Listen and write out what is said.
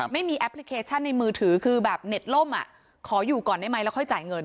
แอปพลิเคชันในมือถือคือแบบเน็ตล่มขออยู่ก่อนได้ไหมแล้วค่อยจ่ายเงิน